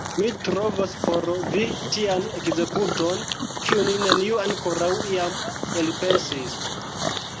Mi trovos por vi tian ekzekuton, kiun neniu ankoraŭ iam elpensis!